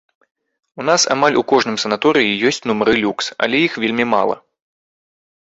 У нас амаль у кожным санаторыі ёсць нумары люкс, але іх вельмі мала.